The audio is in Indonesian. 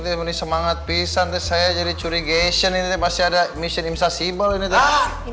temen semangat pisang saya jadi curigaesan ini masih ada mission imsasibel ini teh